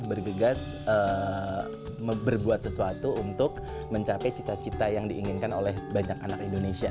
bergegas berbuat sesuatu untuk mencapai cita cita yang diinginkan oleh banyak anak indonesia